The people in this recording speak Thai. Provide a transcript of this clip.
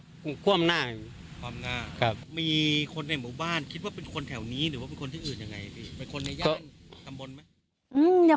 เป็นคนในย่างทำบนไหม